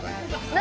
何？